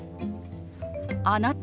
「あなた？」。